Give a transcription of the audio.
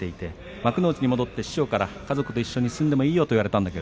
幕内に戻ったら家族と一緒に住んでもいいよと言われていました。